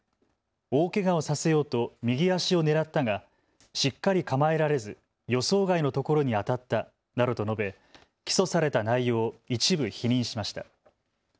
大けがをさせようと右足を狙ったがしっかり構えられず、予想外のところに当たったなどと述べ起訴された内容を一部否認しました。